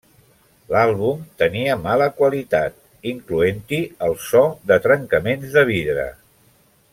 L'àlbum tenia mala qualitat, incloent-hi el so de trencaments de vidre.